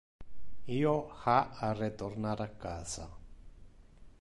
Io ha a retornar a casa.